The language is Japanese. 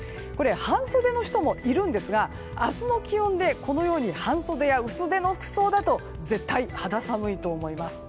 半袖の人もいるんですが明日の気温で、このように半袖や薄手の服装だと絶対肌寒いと思います。